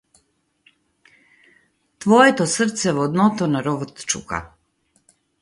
Твоето срце во дното на ровот чука.